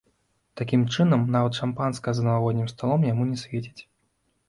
Такім чынам, нават шампанскае за навагоднім сталом яму не свеціць.